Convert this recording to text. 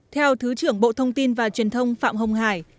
theo thứ trưởng bộ thông tin và truyền thông phạm hồng hải